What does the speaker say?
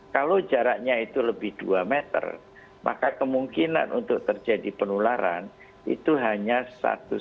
kalau jaraknya itu lebih dua meter maka kemungkinan untuk terjadi penularan itu hanya satu satu